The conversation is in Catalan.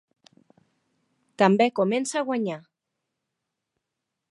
També comença a guanyar.